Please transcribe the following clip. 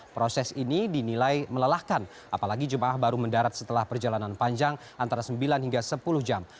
proses ini dinilai melelahkan apalagi jemaah baru mendarat setelah perjalanan panjang antara sembilan hingga sepuluh jam